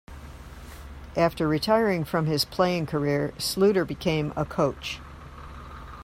After retiring from his playing career, Sluiter became a coach.